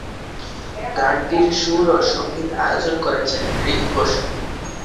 গানটির সুর ও সঙ্গীত আয়োজন করেছেন রিক বসু।